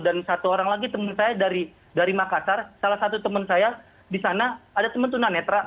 dan satu orang lagi teman saya dari makassar salah satu teman saya di sana ada teman teman netra